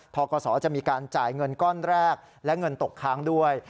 กศจะมีการจ่ายเงินก้อนแรกและเงินตกค้างด้วย